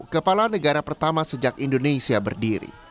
kepala negara pertama sejak indonesia berdiri